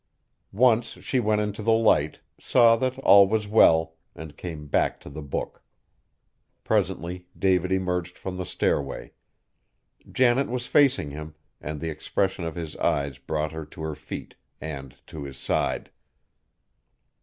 Once she went into the Light, saw that all was well, and came back to the book. Presently David emerged from the stairway. Janet was facing him, and the expression of his eyes brought her to her feet, and to his side.